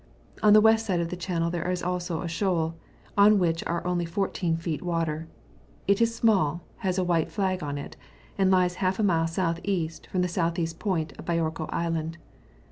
On the west side of the channel is also & skoal, on which are only 14 feet water ; it is small, has a white flag on it, and lies half a nule S.E. from the S.E. point of Biorko Island.